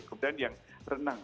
kemudian yang renang